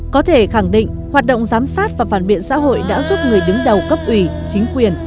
có thể khẳng định hoạt động giám sát và phản biện xã hội đã giúp người đứng đầu cấp ủy chính quyền